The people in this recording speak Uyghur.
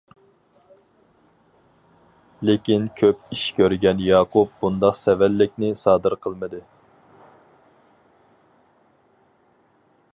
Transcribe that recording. لېكىن كۆپ ئىش كۆرگەن ياقۇپ بۇنداق سەۋەنلىكنى سادىر قىلمىدى.